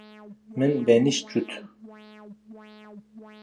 Min benîşt cût.